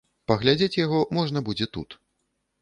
Паглядзець яго можна будзе тут.